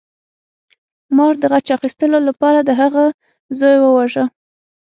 مار د غچ اخیستلو لپاره د هغه زوی وواژه.